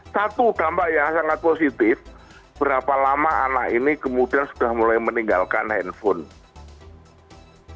satu dampak yang sangat positif berapa lama anak ini kemudian sudah mulai meninggalkan handphone